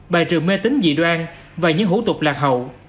bài trừ mê tính dị đoan và những hủ tục lạc hậu